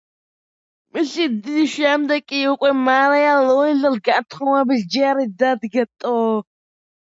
მისი დის შემდეგ კი უკვე მარია ლუიზას გათხოვების ჯერი დადგა.